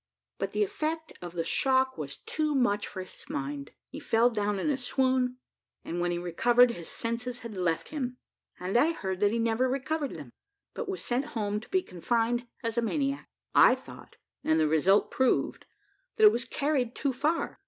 But the effect of the shock was too much for his mind; he fell down in a swoon, and when he recovered, his senses had left him, and I heard that he never recovered them, but was sent home to be confined as a maniac. I thought, and the result proved, that it was carried too far.